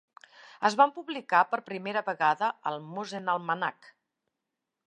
Es van publicar per primera vegada al 'Musenalmanach'.